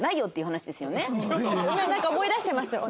なんか思い出してますよ。